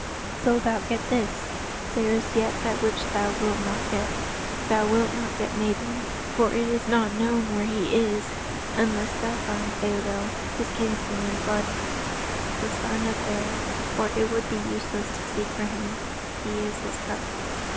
"Though thou get this, there is yet that which thou wilt not get. Thou wilt not get Mabon, for it is not known where he is, unless thou find Eidoel, his kinsman in blood, the son of Aer. For it would be useless to seek for him. He is his cousin."